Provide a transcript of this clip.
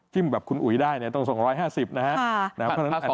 จิ้มแบบคุณอุยได้ต้องส่ง๑๕๐นะครับ